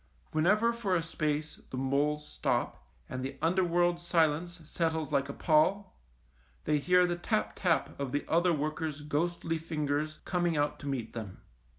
Whenever for a space the moles stop, and the underworld silence settles like a pall, they hear the tap tap of the other workers' ghostly fingers coming out to meet them.